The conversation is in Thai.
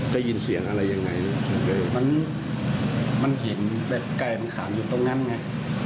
ได้ยินเสียงอะไรยังไงมันมันเห็นแบบไก่มันขังอยู่ตรงนั้นไง